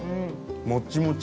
もっちもち。